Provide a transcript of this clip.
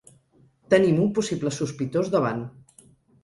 Tenim un possible sospitós davant.